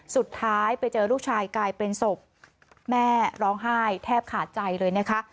สุดท้ายไปเจอลูกชายกลายเป็นศพแม่ร้องไห้แทบขาดใจเลยนะคะ